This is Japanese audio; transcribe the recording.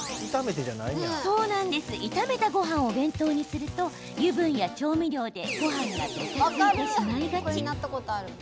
炒めたごはんをお弁当にすると油分や調味料で、ごはんがべたついてしまいがち。